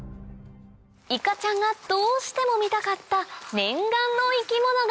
いかちゃんがどうしても見たかった念願の生き物が！